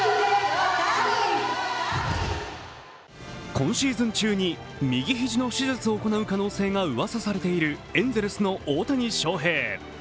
今シーズン中に右肘の手術を行う可能性がうわさされているエンゼルスの大谷翔平。